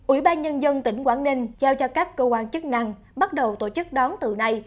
ủy ban nhân dân tỉnh quảng ninh giao cho các cơ quan chức năng bắt đầu tổ chức đón từ nay